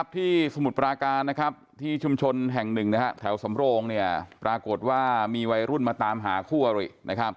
สมุทรปราการที่ชุมชนแห่งหนึ่งแถวสำโรงปรากฏว่ามีวัยรุ่นมาตามหาคู่อริ